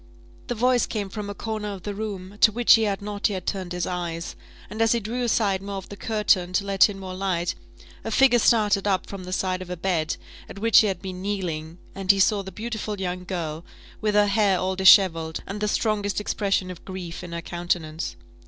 The voice came from a corner of the room, to which he had not yet turned his eyes: and as he drew aside more of the curtain, to let in more light, a figure started up from the side of a bed, at which she had been kneeling, and he saw the beautiful young girl, with her hair all dishevelled, and the strongest expression of grief in her countenance.